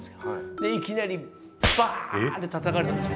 でいきなりバーンってたたかれたんですよ。